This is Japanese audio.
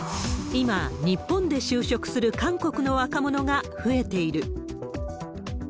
今、日本で就職する韓国の若者が増えている。